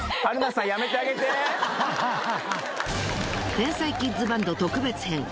天才キッズバンド特別編。